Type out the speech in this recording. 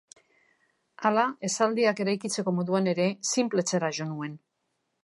Hala, esaldiak eraikitzeko moduan ere sinpletzera jo nuen.